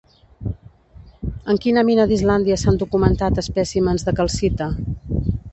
En quina mina d'Islàndia s'han documentat espècimens de calcita?